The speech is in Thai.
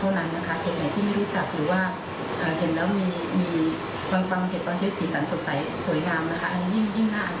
เห็นอย่างที่ไม่รู้จักหรือว่าเห็นแล้วมีกว่างเห็ดตอนใช้สีสันสวยงาม